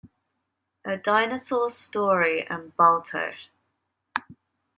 A Dinosaur's Story" and "Balto".